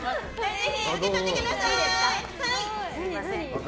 ぜひ受け取ってください！